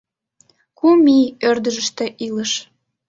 Кум ий ӧрдыжтӧ илыш.